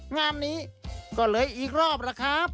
งานนี้ก็เลยอีกรอบล่ะครับ